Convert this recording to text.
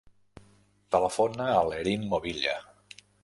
Telefona a l'Erin Movilla.